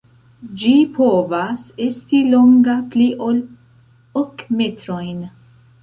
Ĝi povas esti longa pli ol ok metrojn.